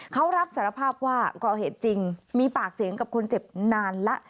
เขารับสารภาพว่าก่อเหตุจริงมีปากเสียงกับคนเจ็บนานแล้ว